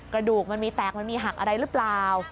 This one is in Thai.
กระดูกมันมีแตกมันมีหักอะไรหรือเปล่า